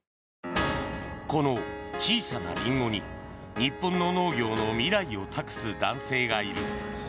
この小さなリンゴに日本の農業の未来を託す男性がいる。